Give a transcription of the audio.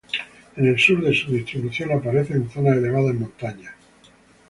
En el sur de su distribución, aparece en zonas elevadas en montañas.